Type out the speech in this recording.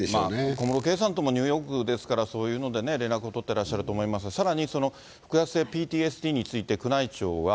小室圭さんともニューヨークですから、そういうので連絡を取ってらっしゃると思いますが、さらに、複雑性ＰＴＳＤについて、宮内庁は。